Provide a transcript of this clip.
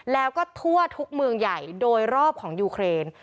แล้วก็ทั่วทุกเมืองใหญ่โดยรอบของยูเครน